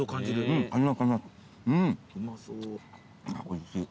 おいしい。